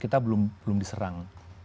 kita belum diserang